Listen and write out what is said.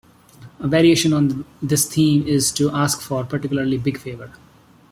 A variation on this theme is to ask for a particularly big favor.